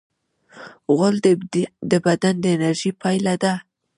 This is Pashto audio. غول د بدن د انرژۍ پایله ده.